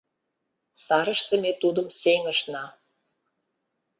Сарыште ме тудым сеҥышна.